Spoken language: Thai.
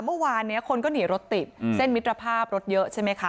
เมื่อวานนี้คนก็หนีรถติดเส้นมิตรภาพรถเยอะใช่ไหมคะ